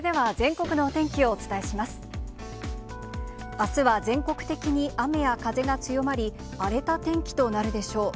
あすは全国的に雨や風が強まり、荒れた天気となるでしょう。